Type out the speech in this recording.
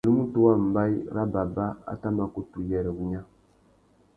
Unúmútú wa mbaye râ baba a tà mà kutu uyêrê wunya.